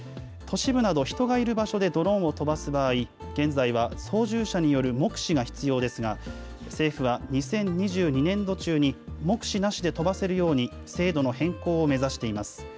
都市部など、人がいる場所でドローンを飛ばす場合、現在は操縦者による目視が必要ですが、政府は２０２２年度中に、目視なしで飛ばせるように制度の変更を目指しています。